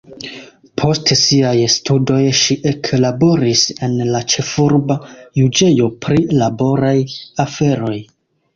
Post siaj studoj ŝi eklaboris en la ĉefurba juĝejo pri laboraj aferoj.